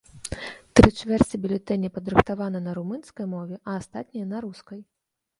Тры чвэрці бюлетэняў падрыхтаваны на румынскай мове, а астатнія на рускай.